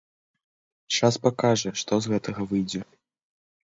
Час пакажа, што з гэтага выйдзе.